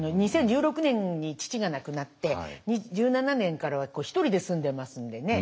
２０１６年に父が亡くなって１７年からは一人で住んでますんでね。